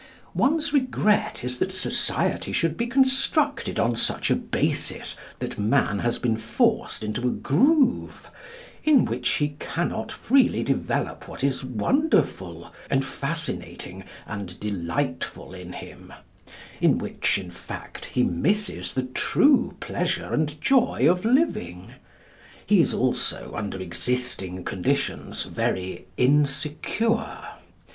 One's regret is that society should be constructed on such a basis that man has been forced into a groove in which he cannot freely develop what is wonderful, and fascinating, and delightful in him—in which, in fact, he misses the true pleasure and joy of living. He is also, under existing conditions, very insecure.